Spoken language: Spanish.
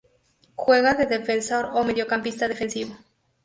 Juega de defensor o mediocampista defensivo.